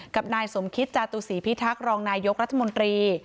กับนายสมคิตจาตุศีพิทักษ์รองนายกรัฐมนตรี